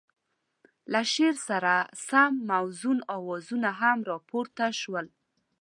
له شعر سره سم موزون اوازونه هم را پورته شول.